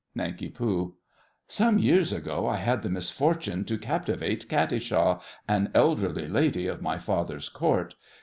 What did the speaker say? NANK. Some years ago I had the misfortune to captivate Katisha, an elderly lady of my father's Court.